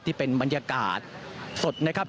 นี่เป็นบรรยากาศสดนะครับ